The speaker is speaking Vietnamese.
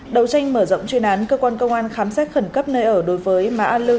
đầu tranh mở rộng chuyên án cơ quan công an khám xét khẩn cấp nơi ở đối với má a lư